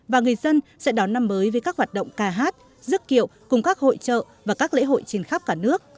và người dân sẽ đón năm mới với các hoạt động ca hát rước kiệu cùng các hội trợ và các lễ hội trên khắp cả nước